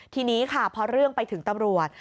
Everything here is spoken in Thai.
ทีนี้ค่ะพอเรื่องไปถึงตำรวจ